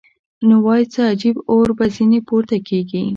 نو وای څه عجب اور به ځینې پورته کېږي.